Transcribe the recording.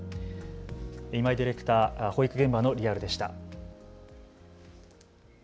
今井ディレクター、保育現場のリアルでした。